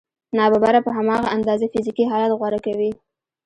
ناببره په هماغه اندازه فزیکي حالت غوره کوي